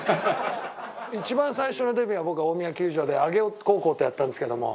一番最初のデビューは僕は、大宮球場で上尾高校とやったんですけども。